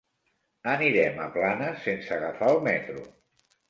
Anirem a Planes sense agafar el metro.